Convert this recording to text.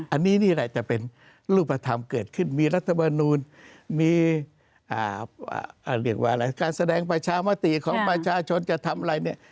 อันนี้นี่แหละจะเป็นรูปธรรมเกิดขึ้นมีรัฐมนูลมีเรียกว่าอะไรการแสดงประชามติของประชาชนจะทำอะไรเนี่ย